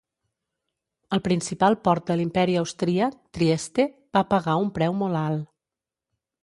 El principal port de l'Imperi Austríac, Trieste, va pagar un preu molt alt.